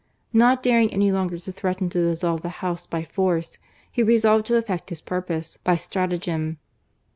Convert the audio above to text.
Not daring any longer to threaten to dissolve the House by force, he resolved to effect his purpose by stratagem.